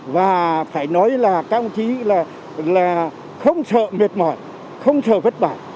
và phải nói là các ông chí là không sợ miệt mỏi không sợ vất bản